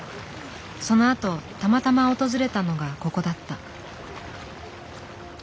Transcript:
そのあとたまたま訪れたのがここだった。